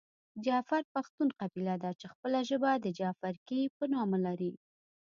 جعفر پښتون قبیله ده چې خپله ژبه د جعفرکي په نامه لري .